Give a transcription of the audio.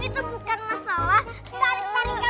ini tuh bukan masalah tarikan wortel atau apa